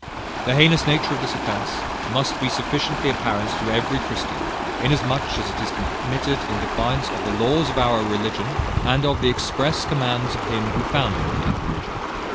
"The heinous nature of this offence must be sufficiently apparent to every Christian, inasmuch as it is committed in defiance of the laws of our religion, and of the express commands of Him who founded that religion.